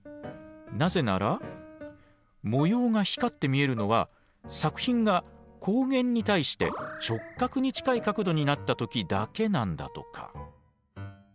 なぜなら模様が光って見えるのは作品が光源に対して直角に近い角度になった時だけなんだとか。